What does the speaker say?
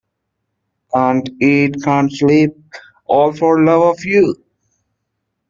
Can't eat, can't sleep — all for love of you.